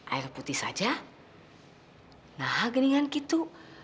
air putih saja nah gini kan gitu